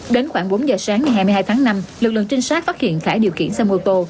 đến khoảng bốn giờ sáng ngày hai mươi hai tháng năm lực lượng trinh sát phát hiện khải điều khiển xe mô tô